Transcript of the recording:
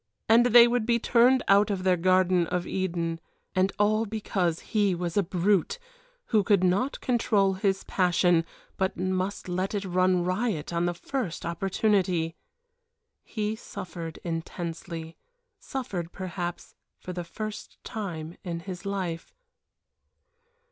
and they would be turned out of their garden of Eden and all because he was a brute, who could not control his passion, but must let it run riot on the first opportunity. He suffered intensely. Suffered, perhaps, for the first time in his life.